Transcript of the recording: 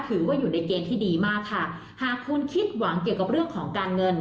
ถือว่าอยู่ในเกณฑ์ที่ดีมากค่ะหากคุณคิดหวังเกี่ยวกับเรื่องของการเงิน